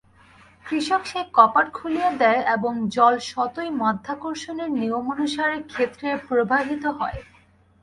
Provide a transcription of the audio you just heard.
কৃষক সেই কপাট খুলিয়া দেয় এবং জল স্বতই মাধ্যাকর্ষণের নিয়মানুসারে ক্ষেত্রে প্রবাহিত হয়।